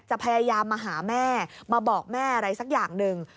พยายามมาหาแม่มาบอกแม่อะไรสักอย่างหนึ่ง